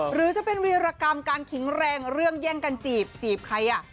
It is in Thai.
หรือจะเป็นวีรกรรมการขิงแรงเรื่องแย่งกันจีบจีบใครอ่ะ